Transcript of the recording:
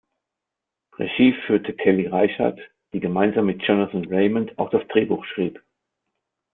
Regie führte Kelly Reichardt, die gemeinsam mit Jonathan Raymond auch das Drehbuch schrieb.